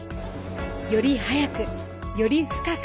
より早く、より深く。